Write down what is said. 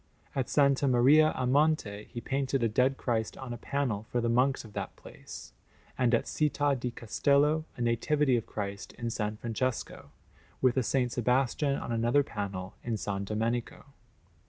At S. Maria a Monte he painted a Dead Christ on a panel for the monks of that place; and at Città di Castello a Nativity of Christ in S. Francesco, with a S. Sebastian on another panel in S. Domenico.